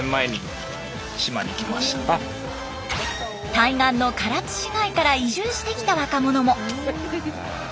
対岸の唐津市街から移住してきた若者も。